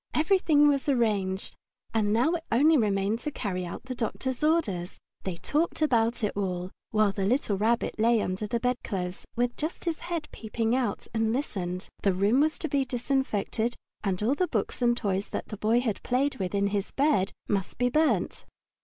Everything was arranged, and now it only remained to carry out the doctor's orders. They talked about it all, while the little Rabbit lay under the bedclothes, with just his head peeping out, and listened. The room was to be disinfected, and all the books and toys that the Boy had played with in bed must be burnt.